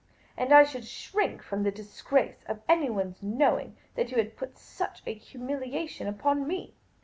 And I should shrink from the disgrace of anyone's knowing that you had put such a humiliation upon me.